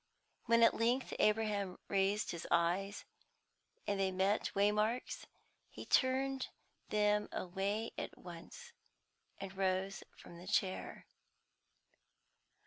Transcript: When at length Abraham raised his eyes, and they met Waymark's, he turned them away at once, and rose from the chair.